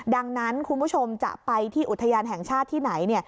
ดังนั้นคุณผู้ชมจะไปที่อุทยานแห่งชาติที่ไหน